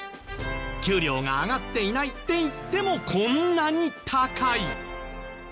給料が上がっていないっていってもこんなに高い。